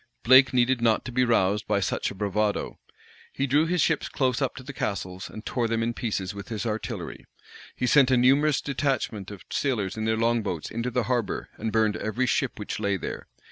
Blake needed not to be roused by such a bravado: he drew his ships close up to the castles, and tore them in pieces with his artillery. He sent a numerous detachment of sailors in their long boats into the harbor, and burned every ship which lay there.